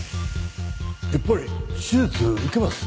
やっぱり手術受けます